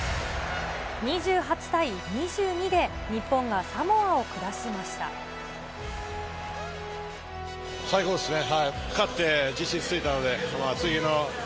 ２８対２２で日本がサモアを最高ですね。